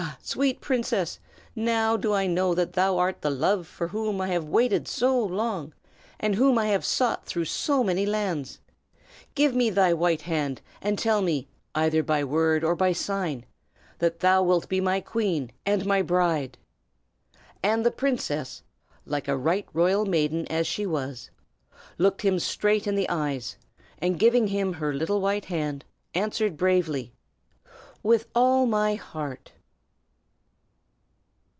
sweet princess, now do I know that thou art the love for whom I have waited so long, and whom I have sought through so many lands. Give me thy white hand, and tell me, either by word or by sign, that thou wilt be my queen and my bride!" And the princess, like a right royal maiden as she was, looked him straight in the eyes, and giving him her little white hand, answered bravely, "_With all my heart!